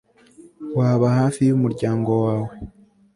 waba hafi yumuryango wawe